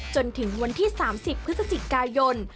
จนถึงวันที่๓๐พฤศจิกายน